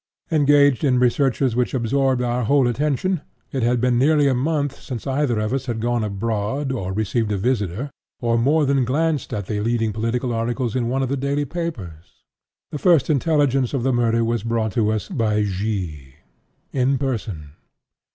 Engaged in researches which absorbed our whole attention, it had been nearly a month since either of us had gone abroad, or received a visitor, or more than glanced at the leading political articles in one of the daily papers. The first intelligence of the murder was brought us by G——, in person.